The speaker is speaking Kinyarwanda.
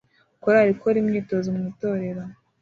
Korali ikora imyitozo mu itorero